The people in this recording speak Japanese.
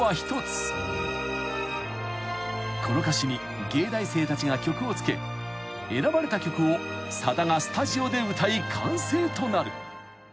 ［この歌詞に藝大生たちが曲をつけ選ばれた曲をさだがスタジオで歌い完成となる］